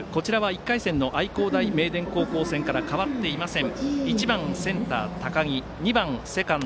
１回戦の愛工大名電戦から変わっていません。